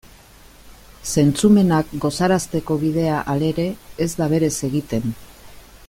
Zentzumenak gozarazteko bidea, halere, ez da berez egiten.